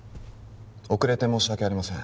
遅れて申し訳ありません